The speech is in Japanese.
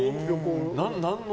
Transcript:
何の？